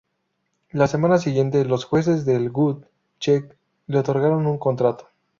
La semana siguiente, los jueces del Gut Check le otorgaron un contrato.